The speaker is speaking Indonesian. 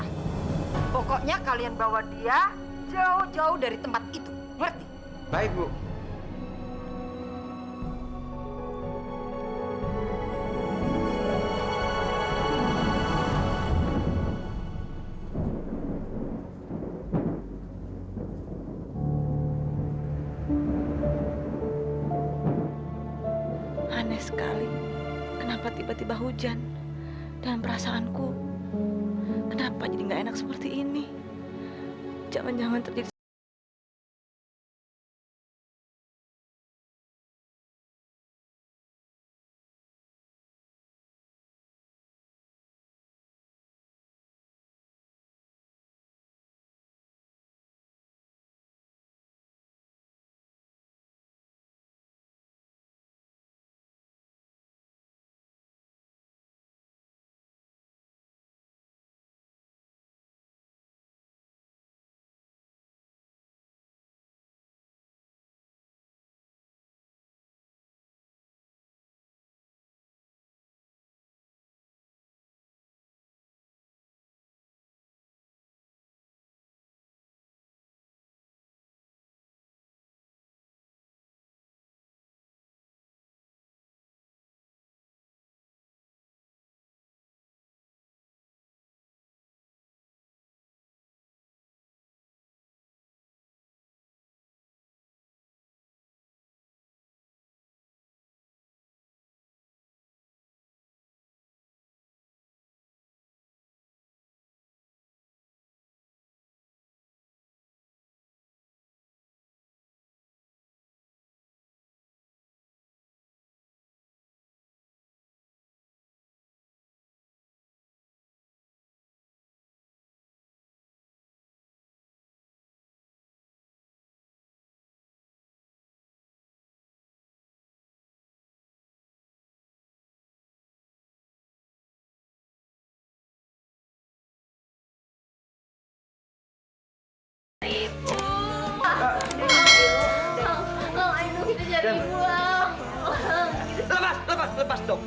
telah terjadi kecelakaan yang mengakibatkan empat orang terluka ringan dan satu orang terluka parah